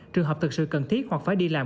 trường hợp thực sự cần thiết hoặc phải đi làm